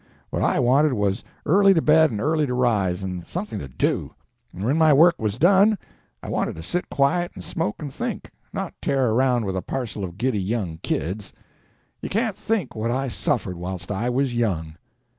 What I wanted was early to bed and early to rise, and something to do; and when my work was done, I wanted to sit quiet, and smoke and think—not tear around with a parcel of giddy young kids. You can't think what I suffered whilst I was young."